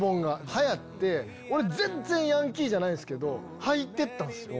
俺全然ヤンキーじゃないけどはいてったんすよ。